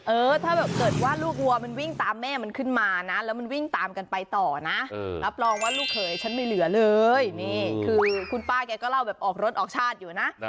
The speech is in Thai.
เออถ้าเกิดว่าลูกวัวมันวิ่งตามแม่มันขึ้นมานะ